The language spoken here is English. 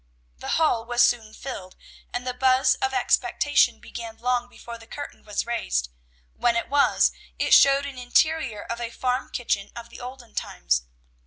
The hall was soon filled, and the buzz of expectation began long before the curtain was raised; when it was, it showed an interior of a farm kitchen of the olden times.